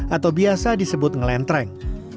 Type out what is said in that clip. atau biasa disebut ngelentreng